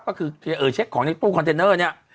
ก็คือเช็คของในตู้คอนเทนเนอร์เนี่ย